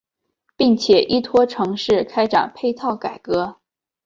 并且依托城市开展配套改革。